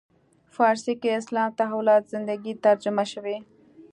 فارسي کې اسلام تحولات زندگی ترجمه شوی.